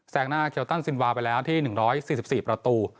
หน้าเคลตันซินวาไปแล้วที่๑๔๔ประตู